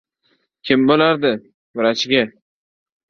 — Kim bo‘lardi, vrachga!